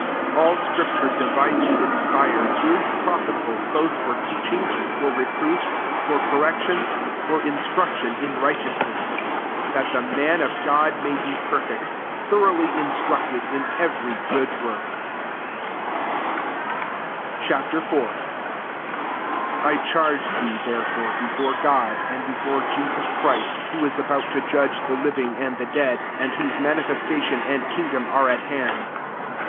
16 All scripture divinely inspired is profitable [both] for teaching, for reproof, for correction, for instruction in righteousness: 17 that the man of God may be perfect, thoroughly instructed in every gpod work* 30 Ch. IV. II charge thee [therefore] before God, and d« fore Jesus Christ who is about to judge the living and the dead, and whose manifestation and kingdom are at hand.